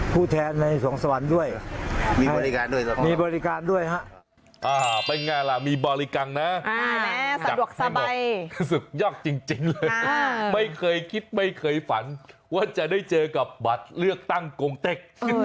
รู้สึกยากจริงไม่เคยคิดไม่เคยฝันว่าจะได้เจอกับบัตรเลือกตั้งโกงเต็ก